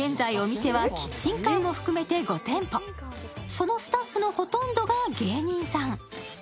そのスタッフのほとんどが芸人さん。